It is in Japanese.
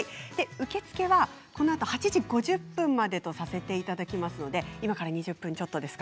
受け付けはこのあと８時５０分までとさせていただきますので今から２０分ちょっとです。